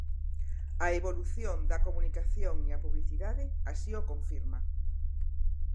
A evolución da comunicación e a publicidade así o confirma.